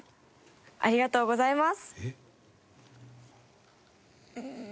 ありがとうございます。